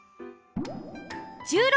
１６